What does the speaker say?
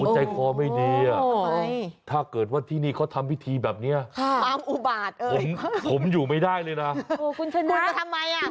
ใจคอไม่ดีอ่ะถ้าเกิดว่าที่นี่เขาทำพิธีแบบนี้ความอุบาตผมอยู่ไม่ได้เลยนะคุณชนบุญจะทำไมอ่ะ